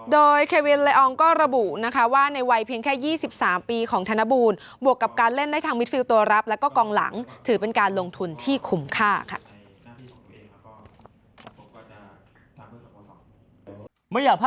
โดยเควินละอองก็ระบุนะคะว่าในวัยเพียงแค่๒๓ปีของธนบูลบวกกับการเล่นได้ทางมิดฟิลตัวรับแล้วก็กองหลังถือเป็นการลงทุนที่คุ้มค่าค่ะ